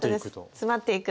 詰まっていく。